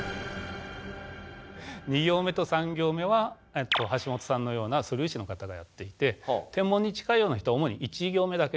２行目と３行目は橋本さんのような素粒子の方がやっていて天文に近いような人は主に１行目だけですね。